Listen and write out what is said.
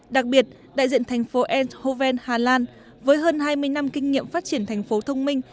đặc biệt đại diện tp ens hoven hà lan với hơn hai mươi năm kinh nghiệm phát triển tp thông minh